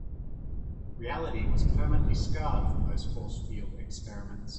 Reality was permanently scarred from those force field experiments.